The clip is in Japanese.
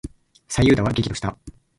左右田は激怒した。